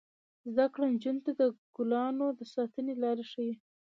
زده کړه نجونو ته د ګلانو د ساتنې لارې ښيي.